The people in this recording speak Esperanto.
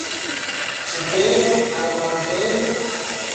Ĉu beno aŭ malbeno?